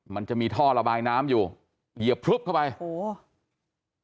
มันจะมีท่อระบายน้ำอยู่เหยียบพลึบเข้าไปโอ้โห